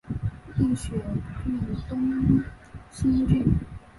立雪郡东兴郡